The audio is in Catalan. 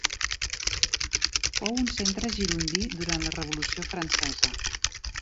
Fou un centre girondí durant la Revolució Francesa.